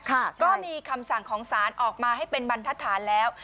ค่ะใช่ก็มีคำสั่งของศาลออกมาให้บรรทัศนแล้ว